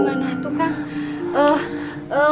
nggak ada yang berbicara sama nana